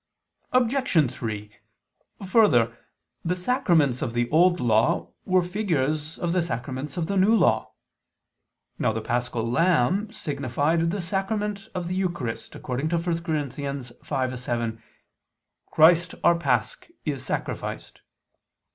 Obj. 3: Further, the sacraments of the Old Law were figures of the sacraments of the New Law. Now the Paschal lamb signified the sacrament of the Eucharist, according to 1 Cor. 5:7: "Christ our Pasch is sacrificed."